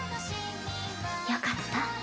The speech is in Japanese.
よかった